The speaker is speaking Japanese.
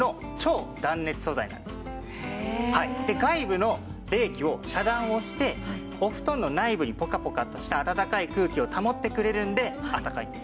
外部の冷気を遮断をしてお布団の内部にポカポカとしたあたたかい空気を保ってくれるのであったかいんです。